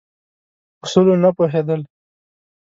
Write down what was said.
اصولو نه پوهېدل.